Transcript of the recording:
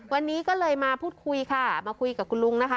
วันนี้ก็เลยมาพูดคุยค่ะมาคุยกับคุณลุงนะคะ